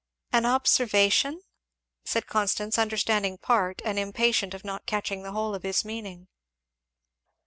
"An observation?" said Constance, understanding part and impatient of not catching the whole of his meaning.